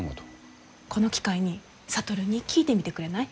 この機会に智に聞いてみてくれない？